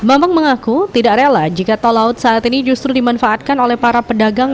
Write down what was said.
bambang mengaku tidak rela jika tol laut saat ini justru dimanfaatkan oleh para pedagang